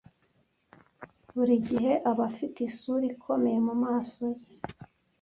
Buri gihe aba afite isura ikomeye mumaso ye.